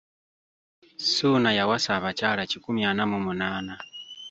Ssuuna yawasa abakyala kikumi ana mu munaana.